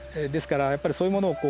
ですからやっぱりそういうもの